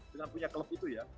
dengan punya klub itu ya